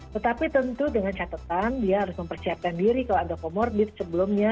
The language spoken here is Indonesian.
tetapi tentu dengan catatan dia harus mempersiapkan diri kalau ada comorbid sebelumnya